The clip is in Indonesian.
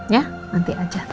ya nanti aja